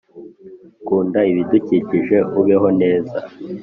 kunda ibidukikije, ubeho neza